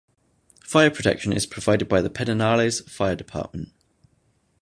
Fire protection is provided by the Pedernales Fire Department.